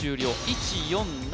１４７